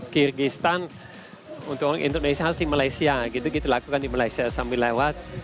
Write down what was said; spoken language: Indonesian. kyrgyzstan untuk indonesia harus di malaysia gitu kita lakukan di malaysia sambil lewat